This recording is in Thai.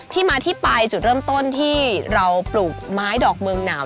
ที่มาที่ไปจุดเริ่มต้นที่เราปลูกไม้ดอกเมืองหนาว